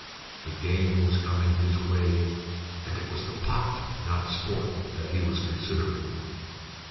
The game was coming his way, and it was the pot, not sport, that he was considering.